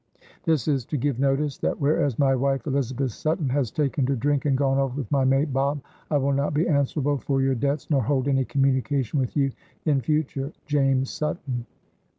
"This is to give notice that whereas my wife Elizabeth Sutton has taken to drink and gone off with my mate Bob, I will not be answerable for your debts nor hold any communication with you in future. "JAMES SUTTON."